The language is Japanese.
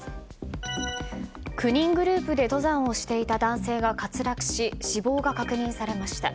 ９人グループで登山をしていた男性が滑落し死亡が確認されました。